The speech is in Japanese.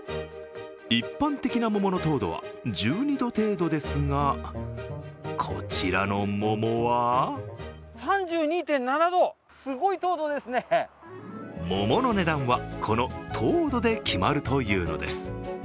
一般的な桃の糖度は１２度程度ですが、こちらの桃は桃の値段は、この糖度で決まるというのです。